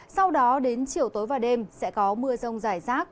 sau đó đến chiều tối và đêm sẽ có mưa rông rải rác